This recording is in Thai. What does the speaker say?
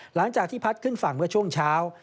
หลังจากที่พัดขึ้นฝั่งเมื่อช่วงเช้า